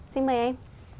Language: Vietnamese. xin mời em